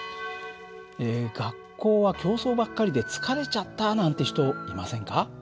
学校は競争ばっかりで疲れちゃったなんて人いませんか？